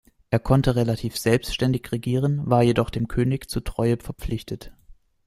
Er konnte relativ selbständig regieren, war jedoch dem König zu Treue verpflichtet.